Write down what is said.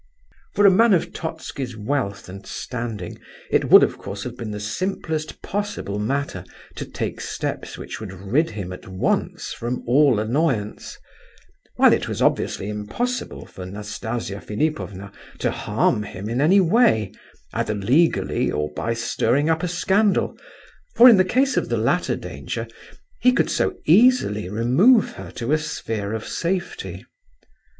For a man of Totski's wealth and standing, it would, of course, have been the simplest possible matter to take steps which would rid him at once from all annoyance; while it was obviously impossible for Nastasia Philipovna to harm him in any way, either legally or by stirring up a scandal, for, in case of the latter danger, he could so easily remove her to a sphere of safety.